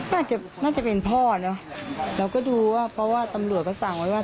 น่าจะน่าจะเป็นพ่อเนอะเราก็ดูว่าเพราะว่าตำรวจก็สั่งไว้ว่า